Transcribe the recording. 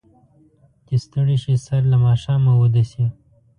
چې ستړي شي، سر له ماښامه اوده شي.